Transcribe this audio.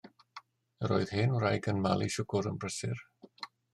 Yr oedd hen wraig yn malu siwgr yn brysur.